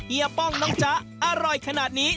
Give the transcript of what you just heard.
ป้องน้องจ๊ะอร่อยขนาดนี้